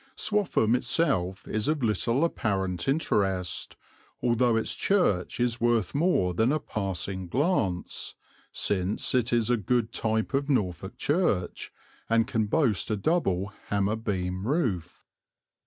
Swaffham itself is of little apparent interest, although its church is worth more than a passing glance, since it is a good type of Norfolk church, and can boast a double hammer beam roof.